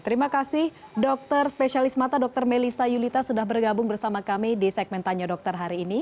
terima kasih dokter spesialis mata dokter melisa yulita sudah bergabung bersama kami di segmen tanya dokter hari ini